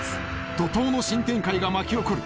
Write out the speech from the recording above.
怒とうの新展開が巻き起こる